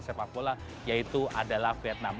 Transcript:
sepak bola yaitu adalah vietnam